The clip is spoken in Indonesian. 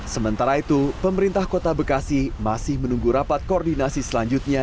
sementara itu pemerintah kota bekasi masih menunggu rapat koordinasi selanjutnya